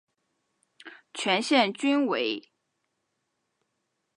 全线均为。